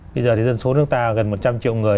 bây giờ thì dân số nước ta gần một trăm linh triệu người